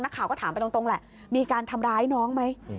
นักข่าวก็ถามไปตรงแหละมีการทำร้ายน้องไหม